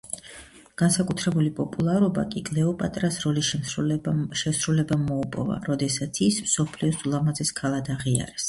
განსაკუთრებული პოპულარობა კი კლეოპატრას როლის შესრულებამ მოუპოვა, როდესაც ის მსოფლიოს ულამაზეს ქალად აღიარეს.